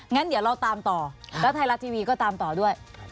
งั้นเดี๋ยวเราตามต่อแล้วไทยรัฐทีวีก็ตามต่อด้วย